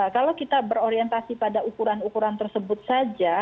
kalau kita berorientasi pada ukuran ukuran tersebut saja